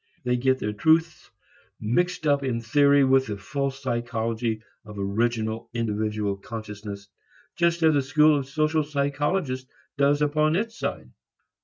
They get their truths mixed up in theory with the false psychology of original individual consciousness, just as the school of social psychologists does upon its side.